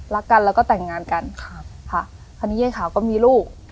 รักกันแล้วก็แต่งงานกันครับค่ะคราวนี้เย้ขาวก็มีลูก